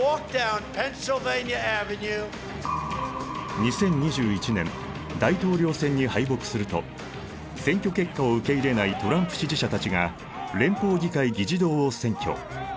２０２１年大統領選に敗北すると選挙結果を受け入れないトランプ支持者たちが連邦議会議事堂を占拠。